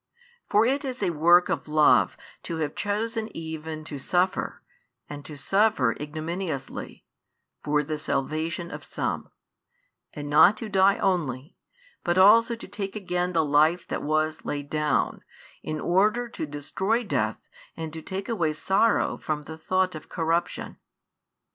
For it is a work of love to have chosen even to suffer, and to suffer ignominiously, for the salvation of some; and not to die only, but also to take again the life that was laid down, in order to destroy death and to take away sorrow from [the thought of] corruption.